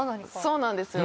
そうなんですよ。